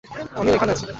আমিও এখানে আছি।